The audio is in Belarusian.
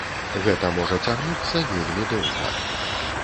Гэта можа цягнуцца вельмі доўга.